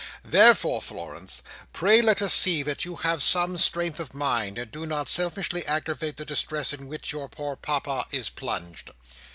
"Therefore, Florence, pray let us see that you have some strength of mind, and do not selfishly aggravate the distress in which your poor Papa is plunged."